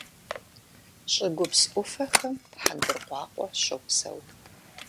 ЩӀыгупс Ӏуфэхэм хъэндыркъуакъуэ щопсэу.